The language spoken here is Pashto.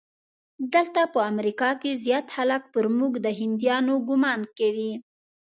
دلته په امریکا کې زیات خلک پر موږ د هندیانو ګومان کوي.